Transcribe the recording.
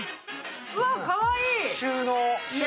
うわ、かわいい！